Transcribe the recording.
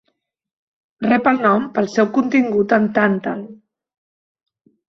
Rep el nom pel seu contingut en tàntal.